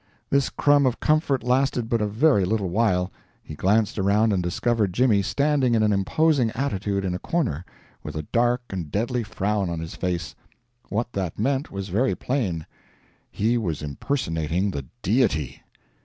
This crumb of comfort lasted but a very little while; he glanced around and discovered Jimmy standing in an imposing attitude in a corner, with a dark and deadly frown on his face. What that meant was very plain HE WAS IMPERSONATING THE DEITY!